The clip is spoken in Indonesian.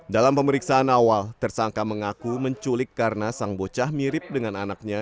dalam pemeriksaan awal tersangka mengaku menculik karena sang bocah mirip dengan anaknya